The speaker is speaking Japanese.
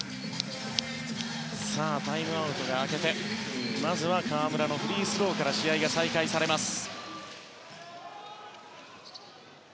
さあ、タイムアウトが明けてまずは河村のフリースローから試合が再開されます。